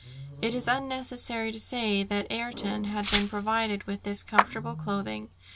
It is unnecessary to say that Ayrton had been provided with this comfortable clothing.